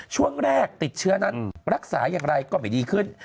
ช่วงแรกติดเชื้อนั้นรักษาอย่างไรก็ไม่ดีขึ้น